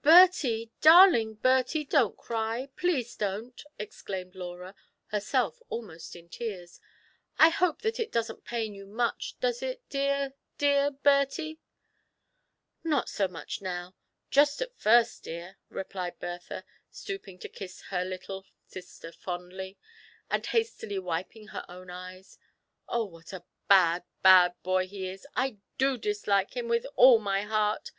"Bertie, darling Bertie, don't cry, please don't!" exclaimed Laura, herself almost in tears ;'* I hope that it doesn't pain you much, does it, dear, dear Bertie ?" *'Not so much now; just at first, dear," replied Ber tha, stooping to kiss her little sister fondly, and hastily wiping her own eyes. " Oh, what a bad, bad boy he is ! I do dislike him with all my heart